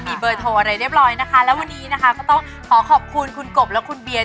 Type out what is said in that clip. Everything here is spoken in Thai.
มีเบอร์โทรอะไรเรียบร้อยนะคะแล้ววันนี้นะคะก็ต้องขอขอบคุณคุณกบและคุณเบียน